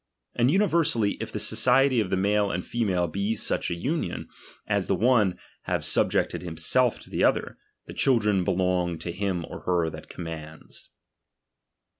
And universally, if the society of the male and female be such an union, as the one have subjected himself to the other, the children belong to him or her that commands.